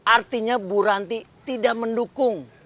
artinya bu ranti tidak mendukung